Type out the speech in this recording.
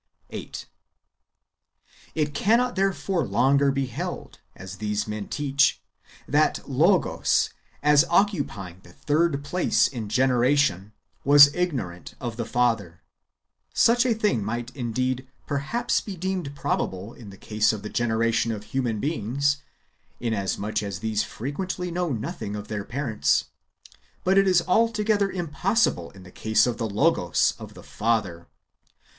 8. It cannot therefore longer be held, as these men teach, yj that Logos, as occupying the third place in generation, was ignorant of the Father. Such a thing might indeed perhaps be deemed probable in the case of the generation of human beings, inasmuch as these frequently know nothing of their parents; but it is altogether impossible in the case of the Logos of the Father.